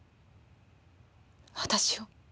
私を。